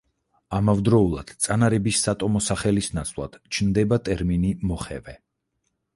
ამავდროულად წანარების სატომო სახელის ნაცვლად ჩნდება ტერმინი „მოხევე“.